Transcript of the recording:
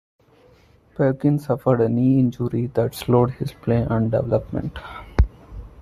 Perkins suffered a knee injury that slowed his play and development.